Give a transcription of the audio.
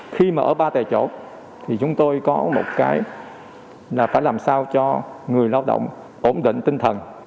khi mà ở ba tại chỗ thì chúng tôi có một cái là phải làm sao cho người lao động ổn định tinh thần